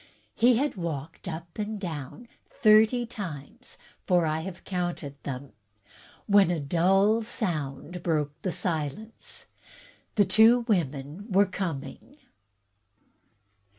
He had walked up and down thirty times, for I have counted them, when a dull sound broke the silence — the two women were coming.